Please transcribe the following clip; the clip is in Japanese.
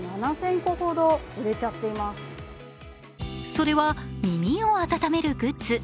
それは耳を温めるグッズ。